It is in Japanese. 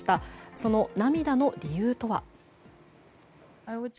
その涙の理由とは。